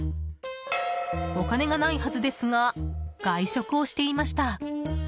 お金がないはずですが外食をしていました。